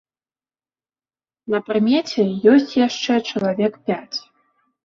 На прымеце ёсць яшчэ чалавек пяць.